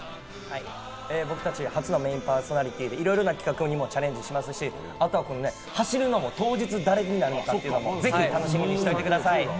僕たち初のメインパーソナリティーでいろいろな企画にもチャレンジしますし、あとは走るのも当日誰になるのかというのもぜひ楽しみにしてください。